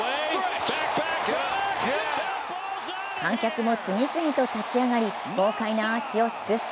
観客も次々と立ち上がり、豪快なアーチを祝福。